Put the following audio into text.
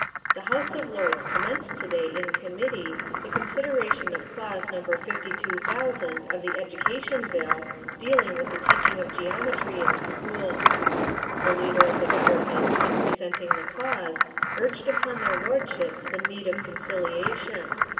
The House of Lords commenced to day in Committee the consideration of Clause No. 52,000 of the Education Bill, dealing with the teaching of Geometry in the schools. The Leader of the Government in presenting the clause urged upon their Lordships the need of conciliation.